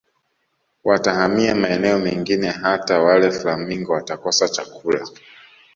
Watahamia maeneo mengine hata wale flamingo watakosa chakula